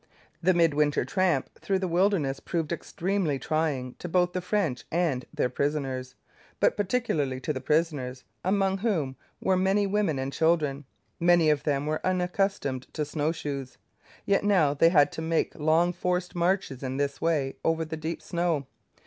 The mid winter tramp through the wilderness proved extremely trying to both the French and their prisoners, but particularly to the prisoners, among whom were many women and children. Many of them were unaccustomed to snowshoes. Yet now they had to make long forced marches in this way over the deep snow.